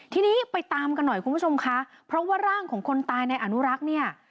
ทีนี้ไปตามกันหน่อยคุณผู้ชมคะเพราะว่าร่างของคนตายในอนุรักษ์เนี่ย